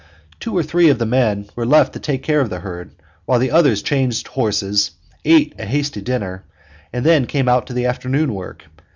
Two or three of the men were left to take care of the herd while the others changed horses, ate a hasty dinner, and then came out to the afternoon work.